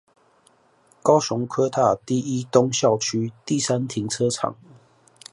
高雄科大第一東校區第三停車場